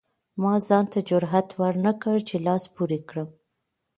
ما ځان ته جرئت ورنکړ چې لاس پورې کړم.